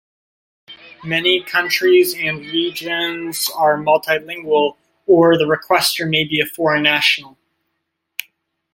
Many countries and regions are multi-lingual, or the requestor may be a foreign national.